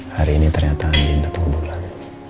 hari ini ternyata andien datang berbual